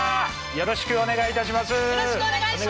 よろしくお願いします！